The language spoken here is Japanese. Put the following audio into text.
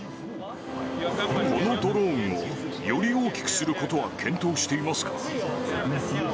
このドローンを、より大きくすることは検討していますか？